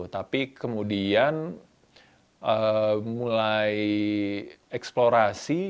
tapi kemudian mulai eksplorasi